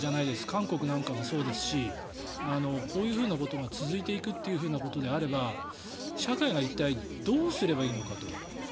韓国とかもそうですしこういうことが続いていくということであれば社会が一体どうすればいいのかと。